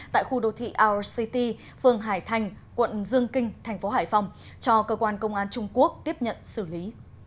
tại khu đô thị our city phường hải thành quận dương kinh thành phố hải phòng cho cơ quan công an trung quốc tiếp nhận xử lý